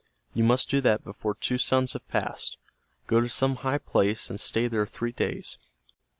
You must do that before two suns have passed. Go to some high place and stay there three days.